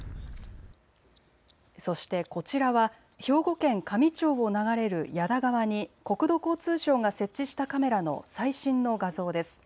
そしてこちらは兵庫県香美町を流れる矢田川に国土交通省が設置したカメラの最新の画像です。